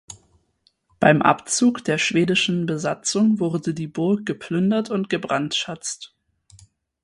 Beim Abzug der schwedischen Besatzung wurde die Burg geplündert und gebrandschatzt.